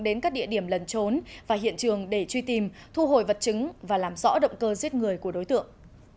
đến các địa điểm lần trốn và hiện trường để truy tìm thu hồi vật chứng và làm rõ động cơ giết người của đối tượng